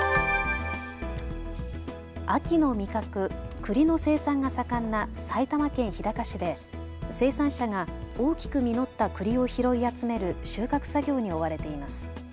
秋の味覚、くりの生産が盛んな埼玉県日高市で生産者が大きく実ったくりを拾い集める収穫作業に追われています。